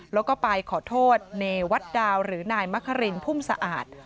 แล้วก็ไปขอโทษเนวัดดาวหรือนายมะครินพุ่มสะอาด